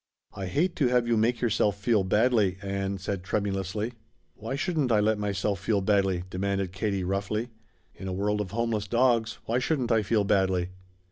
"I hate to have you make yourself feel badly," Ann said tremulously. "Why shouldn't I let myself feel badly?" demanded Katie roughly. "In a world of homeless dogs, why shouldn't I feel badly?"